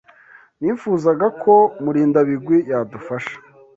Nifuzaga ko Murindabigwi yadufasha.